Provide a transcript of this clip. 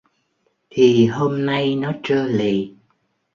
Thì hôm nay nó trơ lì